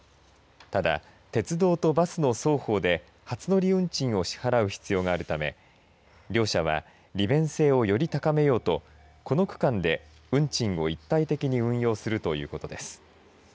ただ、鉄道とバスの双方で初乗り運賃を支払う必要があるため両社は利便性をより高めようとこの区間で運賃を一体的に運用するということです。